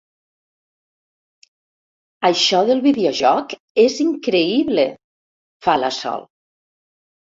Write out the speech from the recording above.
Això del videojoc és increïble —fa la Sol—.